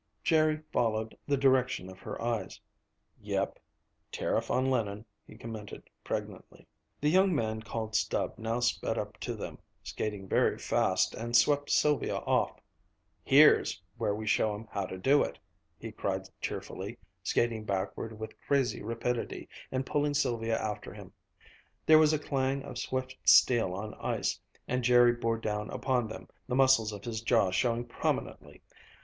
Jerry followed the direction of her eyes. "Yep tariff on linen," he commented pregnantly. The young man called Stub now sped up to them, skating very fast, and swept Sylvia off. "Here's where we show 'em how to do it!" he cried cheerfully, skating backward with crazy rapidity, and pulling Sylvia after him. There was a clang of swift steel on ice, and Jerry bore down upon them, the muscles of his jaw showing prominently.